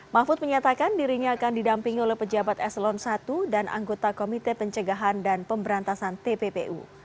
mahfud menyatakan dirinya akan didampingi oleh pejabat eselon i dan anggota komite pencegahan dan pemberantasan tppu